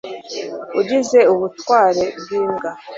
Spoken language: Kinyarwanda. ugikize ubutware bw imbwa